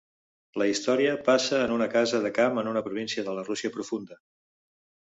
La història passa en una casa de camp en una província de la Rússia profunda.